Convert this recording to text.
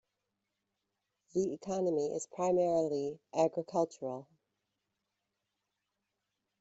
The economy is primarily agricultural.